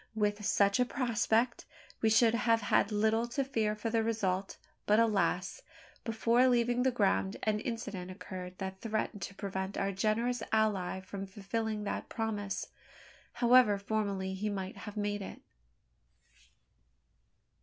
With such a prospect, we should have had little to fear for the result; but alas! before leaving the ground, an incident occurred that threatened to prevent our generous ally from fulfilling that promise, however formally he might have made it.